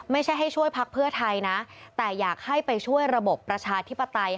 ไม่ใช่ให้ช่วยพักเพื่อไทยนะแต่อยากให้ไปช่วยระบบประชาธิปไตย